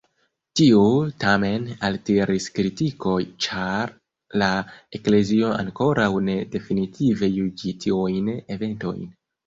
Tio, tamen, altiris kritikoj ĉar la eklezio ankoraŭ ne definitive juĝi tiujn eventojn.